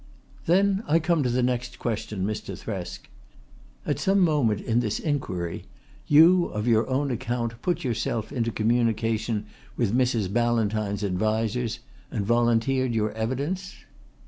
"Then I come to the next question, Mr. Thresk. At some moment in this inquiry you of your own account put yourself into communication with Mrs. Ballantyne's advisers and volunteered your evidence?"